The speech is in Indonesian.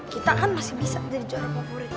kita kan masih bisa jadi juara favorit